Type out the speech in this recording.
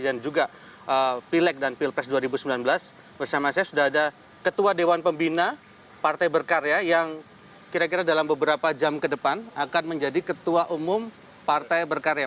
dan juga pileg dan pilpres dua ribu sembilan belas bersama saya sudah ada ketua dewan pembina partai berkarya yang kira kira dalam beberapa jam ke depan akan menjadi ketua umum partai berkarya